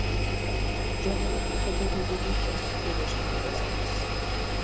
ჯოღორეფქ ხეთე ქუგუდირთეს, ჸუდეშა მიდაზარეს.